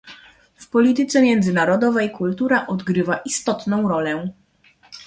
W polityce międzynarodowej kultura odgrywa istotną rolę